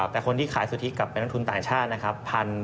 แต่คนที่ขายสุทธิกับเป็นนักทุนต่างชาตินะครับ